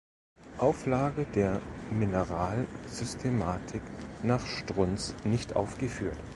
Auflage der Mineralsystematik nach Strunz nicht aufgeführt.